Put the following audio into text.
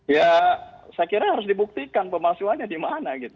ya saya kira harus dibuktikan pemalsuannya di mana gitu